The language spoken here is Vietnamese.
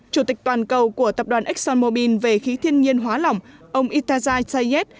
chủ tịch toàn cầu của tập đoàn exxonmobil về khí thiên nhiên hóa lỏng ông itazai sayed